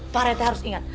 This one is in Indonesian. pak rete harus ingat